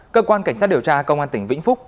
cơ quan cảnh sát điều tra công an tỉnh vĩnh phúc